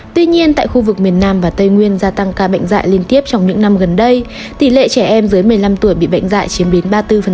tuy nhiên tại khu vực miền nam và tây nguyên gia tăng ca bệnh dại liên tiếp trong những năm gần đây tỷ lệ trẻ em dưới một mươi năm tuổi bị bệnh dạy chiếm đến ba mươi bốn